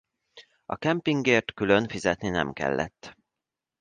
A kempingért külön fizetni nem kellett.